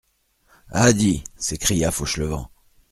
Ah ! di …! s'écria Fauchelevent.